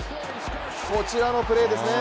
こちらのプレーですね。